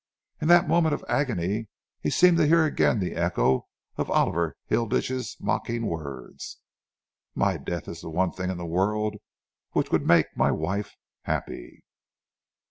In that moment of agony he seemed to hear again the echo of Oliver Hilditch's mocking words: "My death is the one thing in the world which would make my wife happy!"